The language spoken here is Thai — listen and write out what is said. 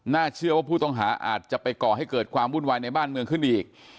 เชื่อว่าผู้ต้องหาอาจจะไปก่อให้เกิดความวุ่นวายในบ้านเมืองขึ้นอีก